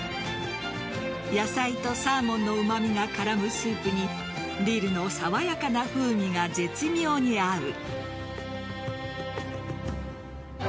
野菜とサーモンのうまみが絡むスープにディルの爽やかな風味が絶妙に合う。